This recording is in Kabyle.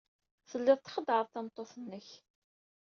Telliḍ txeddɛeḍ tameṭṭut-nnek.